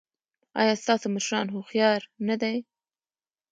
ایا ستاسو مشران هوښیار نه دي؟